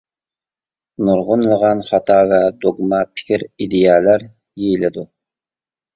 نۇرغۇنلىغان خاتا ۋە دوگما پىكىر-ئىدىيەلەر يېيىلىدۇ.